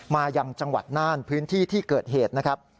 มายังจังหวัดน่านพื้นที่ที่เกิดเหตุนะครับ